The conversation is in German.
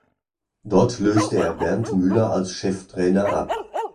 Dort löste er Bernd Müller als Cheftrainer ab.